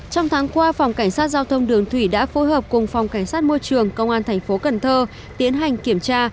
trong tháng qua phòng cảnh sát giao thông đường thủy đã phối hợp cùng phòng cảnh sát môi trường công an tp cn tiến hành kiểm tra